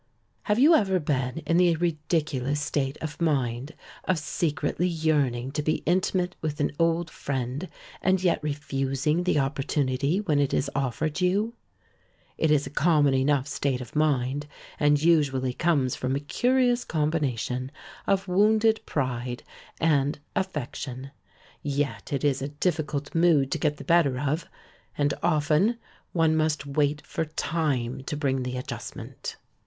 Have you ever been in the ridiculous state of mind of secretly yearning to be intimate with an old friend and yet refusing the opportunity when it is offered you? It is a common enough state of mind and usually comes from a curious combination of wounded pride and affection. Yet it is a difficult mood to get the better of and often one must wait for time to bring the adjustment.